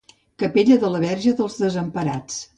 Capella de la Verge dels Desemparats